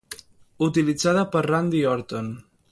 Utilitzada per Randy Orton.